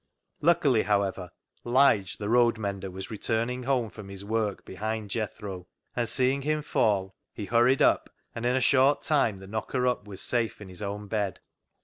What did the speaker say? Luckily, however, Lige, the road mender, was returning home from his work behind Jethro, and seeing him fall he hurried up, and in a short time the knocker up was safe in his own bed.